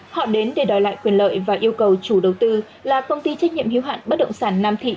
họ đến để đòi lại quyền lợi và yêu cầu chủ đầu tư là công ty trách nhiệm hiếu hạn bất động sản nam thị